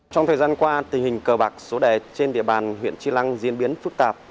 trong thời gian qua tình hình cờ bạc số đề trên địa bàn huyện tri lăng diễn biến phức tạp